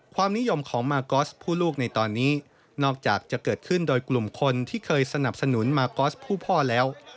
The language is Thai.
ความนิยมของมากอสผู้ลูกในตอนนี้นอกจากจะเกิดขึ้นโดยกลุ่มคนที่เคยสนับสนุนมากอสผู้พ่อแล้ว